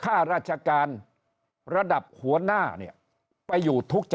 ข้าราชการระดับหัวหน้าเนี่ย